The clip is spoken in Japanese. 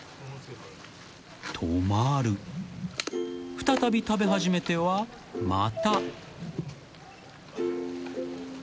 ［再び食べ始めてはまた］